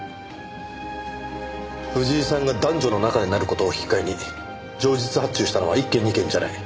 藤井さんが男女の仲になる事を引き換えに情実発注したのは１件２件じゃない。